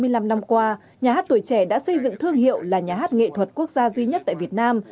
hai mươi năm năm qua nhà hát tuổi trẻ đã xây dựng thương hiệu là nhà hát nghệ thuật quốc gia duy nhất tại việt nam